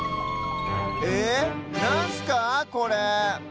えなんすかこれ？